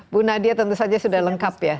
bu nadia tentu saja sudah lengkap ya